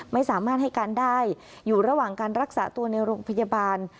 ไม่สามารถให้การได้อยู่ระหว่างการรักษาตัวในโรงพยาบาล